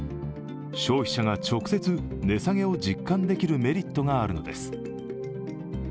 消費者が直接値下げを実感できるメリットがあるのです。